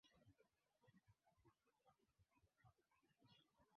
ukijihisi kuwa na maambukizi ya ukimwi muone mtaalamu